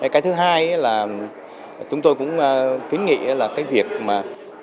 cái thứ hai là chúng tôi cũng kiến nghị là cái việc mà